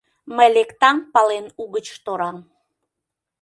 Мый лектам пален угыч торам.